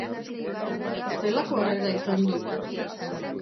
Zelako harrera izan du?